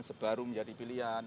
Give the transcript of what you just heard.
sebaru menjadi pilihan